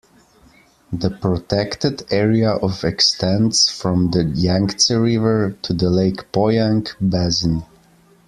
The protected area of extends from the Yangtze River to the Lake Poyang basin.